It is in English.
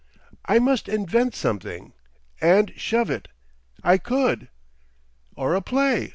"I must invent something. And shove it.... I could. "Or a play.